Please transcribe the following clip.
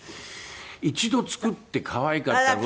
一度作って可愛かった分。